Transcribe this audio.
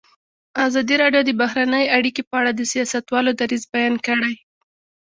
ازادي راډیو د بهرنۍ اړیکې په اړه د سیاستوالو دریځ بیان کړی.